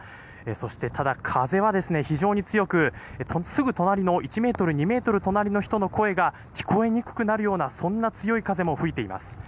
そして、ただ、風は非常に強くすぐ隣の１ｍ、２ｍ隣の人の声も聞こえにくくなるようなそんな強い風も吹いています。